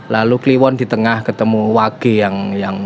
lalu kliwon di tengah ketemu wage yang